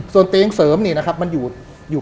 ส่วนเตียงเสริมนี่นะครับมันอยู่